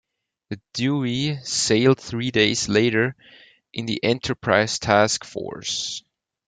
The "Dewey" sailed three days later in the "Enterprise" task force.